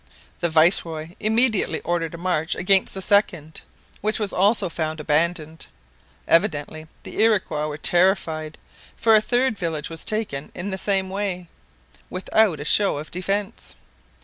The viceroy immediately ordered a march against the second, which was also found abandoned. Evidently the Iroquois were terrified, for a third village was taken in the same way, without a show of defence.